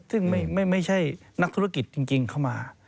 ซึ่งไม่ใช่นักธุรกิจจริงเข้ามา